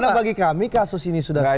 karena bagi kami kasus ini sudah selesai